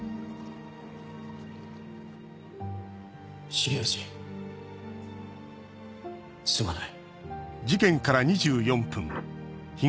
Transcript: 重藤すまない。